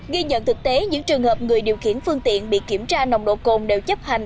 ghi nhận thực tế những trường hợp người điều khiển phương tiện bị kiểm tra nồng độ cồn đều chấp hành